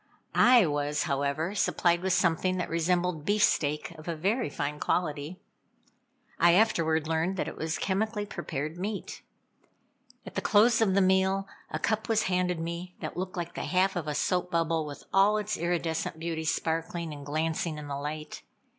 I was, however, supplied with something that resembled beefsteak of a very fine quality. I afterward learned that it was chemically prepared meat. At the close of the meal, a cup was handed me that looked like the half of a soap bubble with all its iridescent beauty sparkling and glancing in the light.